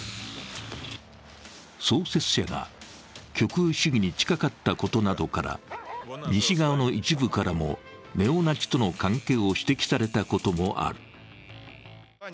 創設者が極右主義に近かったことなどから西側の一部からもネオナチとの関係を指摘されたこともある。